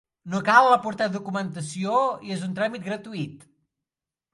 No cal aportar documentació i és un tràmit gratuït.